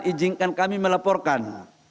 izinkan kami melaporkan